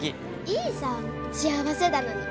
いいさあ幸せだのに。